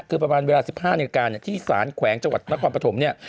คือประมาณเวลา๑๕นาฬิกาที่สารแขวงจังหวัดนครปฐมเนี่ย